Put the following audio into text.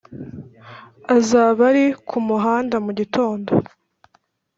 azaba ari kumuhanda mugitondo